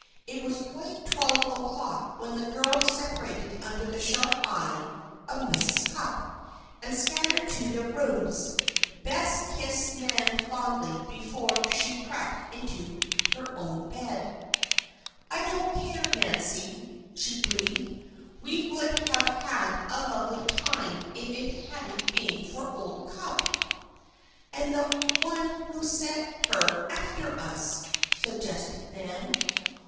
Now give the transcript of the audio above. It was quite twelve o'clock when the girls separated under the sharp eye of Mrs. Cupp, and scattered to their rooms. Bess kissed Nan fondly before she crept into her own bed. "I don't care, Nancy!" she breathed, "we would have had a lovely time if it hadn't been for old Cupp!" "And the one who set her after us," suggested Nan.